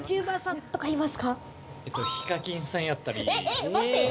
ＨＩＫＡＫＩＮさんやったり。